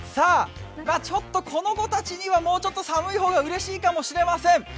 ちょっとこの子たちにはもうちょっと寒い方がうれしいかもしれません。